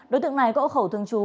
đối tượng này gỗ khẩu thường trú